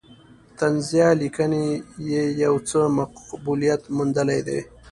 طنزیه لیکنې یې یو څه مقبولیت موندلی دی.